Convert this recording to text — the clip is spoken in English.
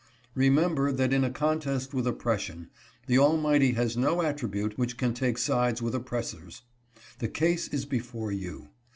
Remember that in a contest with oppression, the Almighty has no attribute which can take sides with oppressors. The case is before you.